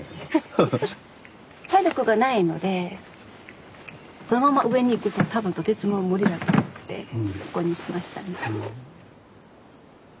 体力がないのでそのまま上に行くと多分とても無理だと思ってここにしましたね。